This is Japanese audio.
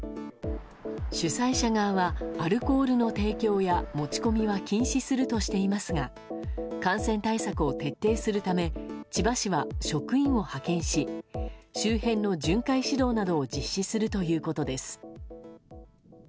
主催者側はアルコールの提供や持ち込みは禁止するとしていますが感染対策を徹底するため千葉市は職員を派遣し周辺の巡回指導を実施するということです。